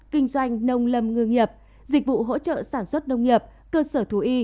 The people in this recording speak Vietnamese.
kinh doanh nông lâm ngư nghiệp dịch vụ hỗ trợ sản xuất nông nghiệp cơ sở thú y